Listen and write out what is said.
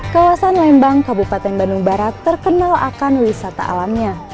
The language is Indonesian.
kawasan lembang kabupaten bandung barat terkenal akan wisata alamnya